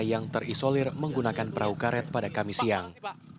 yang terisolir menggunakan perahu karet pada kamis siang